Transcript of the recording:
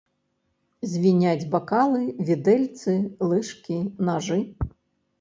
Звіняць бакалы, відэльцы, лыжкі, нажы.